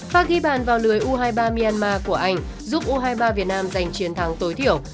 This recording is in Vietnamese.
pa ghi bàn vào lưới u hai mươi ba myanmar của anh giúp u hai mươi ba việt nam giành chiến thắng tối thiểu